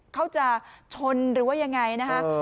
เขาจะชนหรือยังไงนะครับ